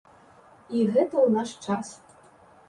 І гэта ў наш час!